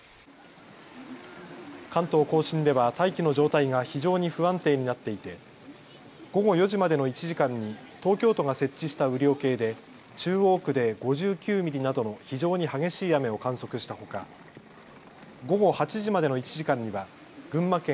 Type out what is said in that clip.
関東甲信では大気の状態が非常に不安定になっていて午後４時までの１時間に東京都が設置した雨量計で中央区で５９ミリなどの非常に激しい雨を観測したほか午後８時までの１時間には群馬県